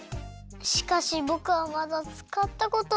しかしぼくはまだつかったことなくて。